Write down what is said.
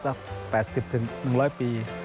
ก็๘๐ถึง๑๐๐ปี